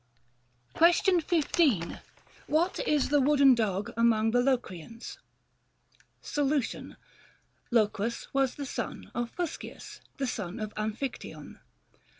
Question 15. What is the wooden dog among the Locrians \ Solution. Locrus was the son of Fuscius, the son of Amphictyon.